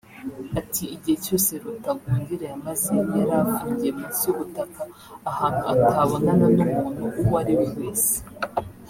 Ati “Igihe cyose Rutagungira yamaze yari afungiye munsi y’ubutaka ahantu atabonana n’umuntu uwo ari we wese